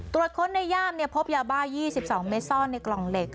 ค้นในย่ามพบยาบ้า๒๒เมตรซ่อนในกล่องเหล็ก